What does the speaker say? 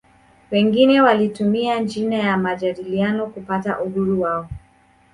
Wengine walitumia njia ya majadiliano kupata uhuru wao